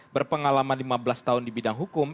berpengalaman lima belas tahun di bidang hukum